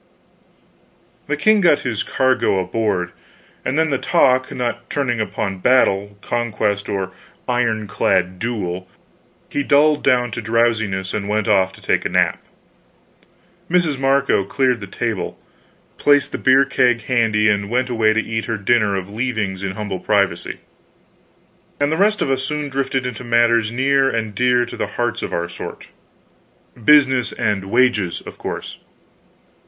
The king got his cargo aboard, and then, the talk not turning upon battle, conquest, or iron clad duel, he dulled down to drowsiness and went off to take a nap. Mrs. Marco cleared the table, placed the beer keg handy, and went away to eat her dinner of leavings in humble privacy, and the rest of us soon drifted into matters near and dear to the hearts of our sort business and wages, of course.